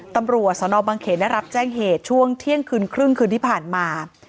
ตำรวจสนบังเขนได้รับแจ้งเหตุช่วงเที่ยงคืนครึ่งคืนที่ผ่านมา